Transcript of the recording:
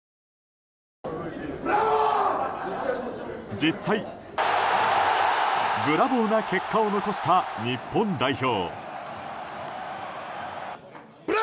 実際、ブラボーな結果を残した日本代表。